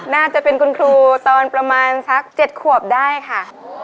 น่าจะเป็นคุณครูตอนประมาณสัก๗ขวบได้ค่ะ